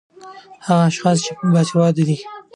هغه اشحاص چې باسېواده دي